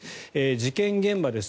事件現場です。